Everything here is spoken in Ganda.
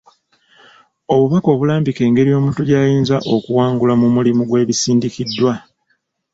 Obubaka obulambika engeri omuntu gy'ayinza okuwangula mu mulimu gwe bisindikiddwa.